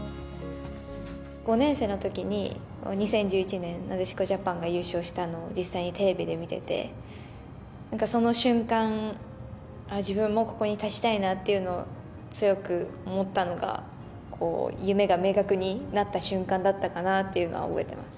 ５年生のときに、２０１１年、なでしこジャパンが優勝したのを実際にテレビで見てて、なんかその瞬間、自分もここに立ちたいなっていうのを強く思ったのが、こう、夢が明確になった瞬間だったかなというのは覚えてます。